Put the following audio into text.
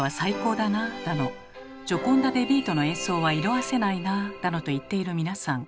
だの「ジョコンダ・デ・ヴィートの演奏は色あせないな」だのと言っている皆さん。